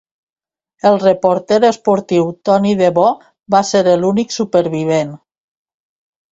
El reporter esportiu Tony Debo va ser l'únic supervivent.